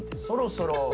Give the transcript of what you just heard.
そろそろ。